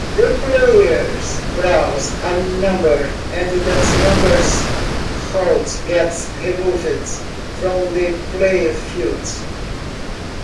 The player draws a number, and that number's rod gets removed from the playfield.